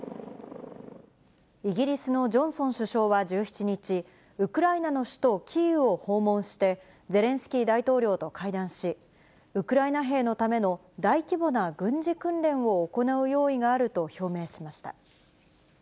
イギリスのジョンソン首相は１７日、ウクライナの首都キーウを訪問して、ゼレンスキー大統領と会談し、ウクライナ兵のための大規模な軍事訓練を行う用意があると表明しました。